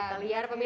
dan tidak ada bayi